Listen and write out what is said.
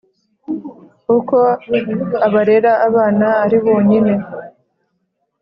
Uko abarera abana ari bonyine